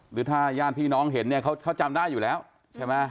หรือถ้าญาติพี่น้องเห็นเนี่ยเขาจำได้อยู่แล้วใช่ไหม